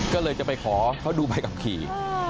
ก็เลยจะไปขอเขาดูใบขับขี่